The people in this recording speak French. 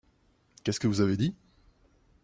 Qu'est-ce que vous avez dit ?